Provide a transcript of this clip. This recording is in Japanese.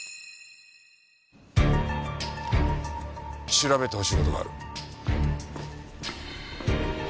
調べてほしい事がある。